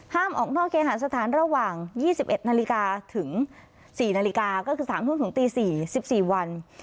ห้ามออกนอกเคหาสถานระหว่างยี่สิบเอ็ดนาฬิกาถึงสี่นาฬิกาก็คือสามทุ่มถึงตีสี่สิบสี่วัน